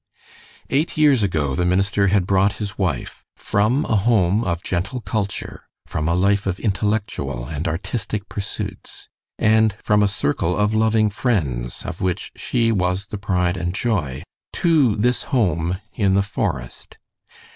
Eight years ago the minister had brought his wife from a home of gentle culture, from a life of intellectual and artistic pursuits, and from a circle of loving friends of which she was the pride and joy, to this home in the forest.